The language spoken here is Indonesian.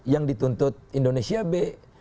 yang dituntut indonesia b